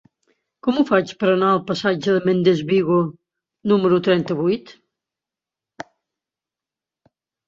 Com ho faig per anar al passatge de Méndez Vigo número trenta-vuit?